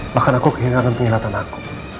bahkan aku kehilangan penghinatan aku